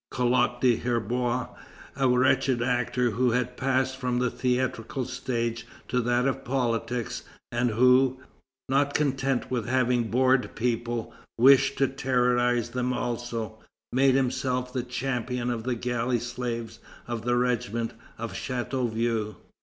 Collot d'Herbois, a wretched actor who had passed from the theatrical stage to that of politics, and who, not content with having bored people, wished to terrorize them also, made himself the champion of the galley slaves of the regiment of Chateauvieux.